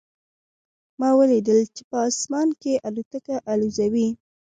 ما ولیدل چې په اسمان کې الوتکه الوزي